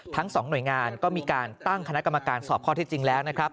ทั้งสองหน่วยงานก็มีการตั้งคณะกรรมการสอบข้อที่จริงแล้วนะครับ